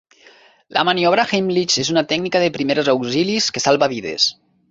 La maniobra d'Heimlich és una tècnica de primers auxilis que salva vides.